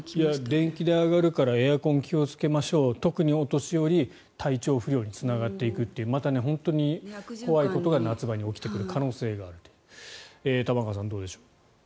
電気代上がるからエアコン気をつけましょう特にお年寄り体調不良につながっていくというまた本当に怖いことが夏場に起きてくる可能性があると玉川さん、どうでしょう。